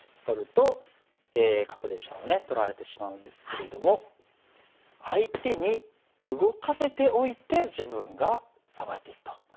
取ると角で飛車をね取られてしまうんですけれども相手に動かせておいて自分がさばいていくと。